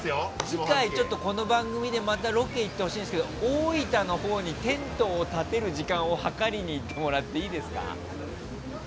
次回この番組でまたロケ行ってほしいんですけど大分のほうにテントを立てる時間を計りに行ってもらっていいですか？